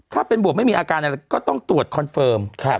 ถ้าเป็นบวกไม่มีอาการอะไรก็ต้องตรวจคอนเฟิร์ม